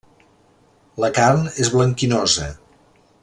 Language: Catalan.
La carn és blanquinosa.